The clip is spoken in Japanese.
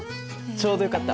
ちょうどよかった。